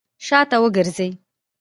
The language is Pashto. شاته وګرځئ!